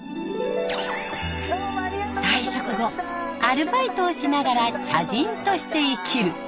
退職後アルバイトをしながら茶人として生きる。